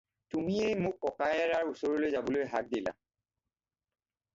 তুমিয়েই মোক ককায়েৰাৰ ওচৰলৈ যাবলৈ হাক দিলা।